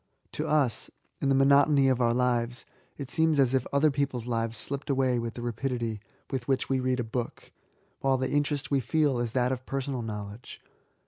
To us, in the monotony of our lives, it seems as if other people's lives slipped away with the rapidity with which we 88 E86AT8. read a book, while the interest we feel is that of personal knowledge.